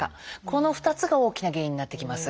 この２つが大きな原因になってきます。